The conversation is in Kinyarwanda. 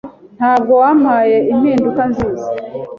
Ntabwo wampaye impinduka nziza.